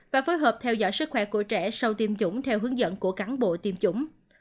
và phối hợp theo dõi sức khỏe của trẻ sau tiêm chủng theo hướng dẫn của cán bộ tiêm chủng